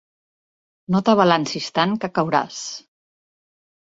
No t'abalancis tant, que cauràs!